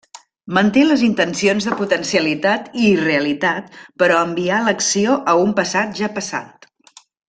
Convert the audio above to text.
Manté les intencions de potencialitat i irrealitat però enviar l'acció a un passat ja passat.